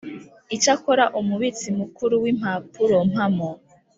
Icyakora Umubitsi Mukuru w Impapurompamo